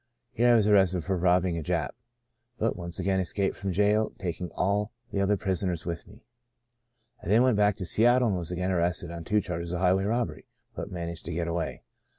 Here I was arrested for robbing a Jap, but once again escaped from jail tak ing all the other prisoners with me. "I then went back to Seattle and was again arrested on two charges of highway robbery, but managed to get away.